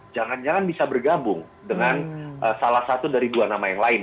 jangan jangan bisa bergabung dengan salah satu dari dua nama yang lain